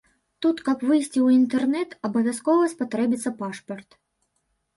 Тут, каб выйсці ў інтэрнэт, абавязкова спатрэбіцца пашпарт.